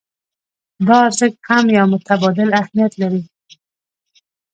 دا ارزښت هم يو متبادل اهميت لري.